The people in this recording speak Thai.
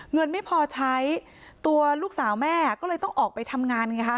เงินไม่พอใช้ตัวลูกสาวแม่ก็เลยต้องออกไปทำงานไงคะ